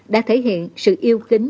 đã thể hiện sự yêu kính